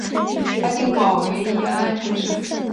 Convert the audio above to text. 爱丁堡为沿岸城市。